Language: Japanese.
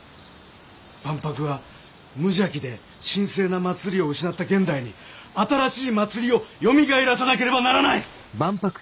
万博は無邪気で神聖な祭りを失った現代に新しい祭りをよみがえらさなければならない！